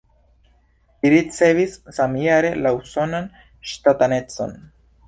Li ricevis samjare la usonan ŝtatanecon.